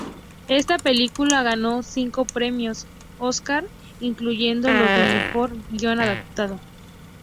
Esta película ganó cinco premios Oscar, incluyendo los de mejor guion adaptado.